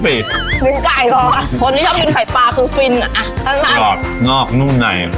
นิดไก่เหรอคนที่ชอบกินไข่ปลาคือฟินอะอ่ะนอกนอกนุ่มใน